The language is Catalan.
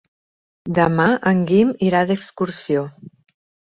Demà en Guim irà d'excursió.